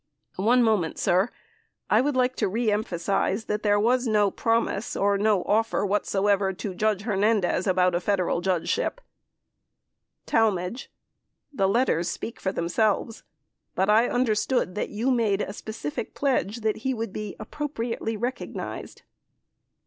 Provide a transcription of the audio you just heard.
One moment, sir. I would like to reemphasize that there was no promise or no offer whatsoever to Judge Hernandez about a Federal judgeship. Talmadge. The letters speak for themselves. But I under stood that you made a specific pledge that he would be appro priately recognized.